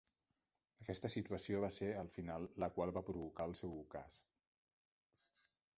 Aquesta situació va ser, al final, la qual va provocar el seu ocàs.